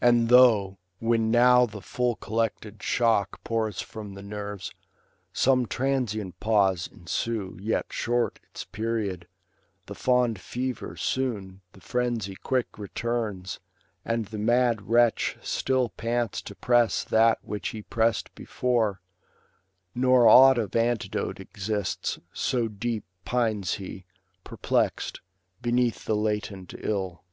And though, when now the full collected shock Pours from the nerves, some transient pause ensue. Yet short its period ; the fond fever soon. The frenzy quick returns, and the mad wretch Still pants to press that which he press'd before ; Nor aught of antidote exists, so deep Pines lie, perplext, beneath the latent ill.